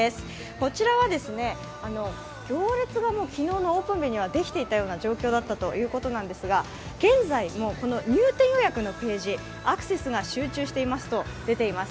こちらは行列が昨日のオープン日にはできていたという状況ですが現在、入店予約のページアクセスが集中していますと出ています。